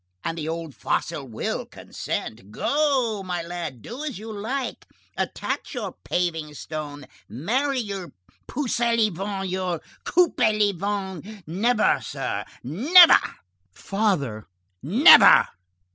and the old fossil will consent.' Go, my lad, do as you like, attach your paving stone, marry your Pousselevent, your Coupelevent—Never, sir, never!" "Father—" "Never!"